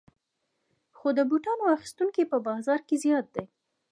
خو د بوټانو اخیستونکي په بازار کې زیات دي